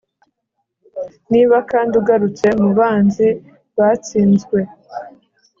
Niba kandi ugarutse mubanzi batsinzwe